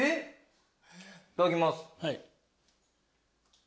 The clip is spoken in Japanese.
いただきます。